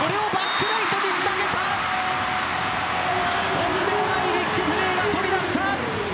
とんでもないビッグプレーが飛び出した。